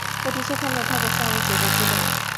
我的确看到它的三维结构之类。